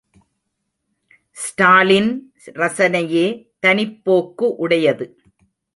ஸ்டாலின் ரசனையே தனிப்போக்கு உடையது.